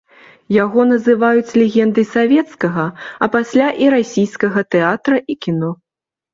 Яго называюць легендай савецкага, а пасля і расійскага тэатра і кіно.